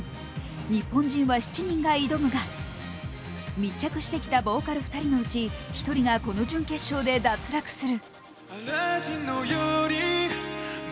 日本人は７人が挑むが密着してきたボーカル２人のうち１人がこの準決勝で脱落する。